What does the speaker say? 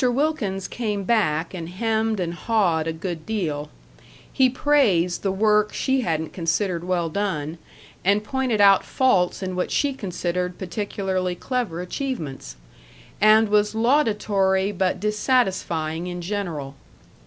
Wilkins came back and hemmed and hawed a good deal; he praised the work she hadn't considered well done, and pointed out faults in what she considered particularly clever achievements, and was laudatory but dissatisfying in general.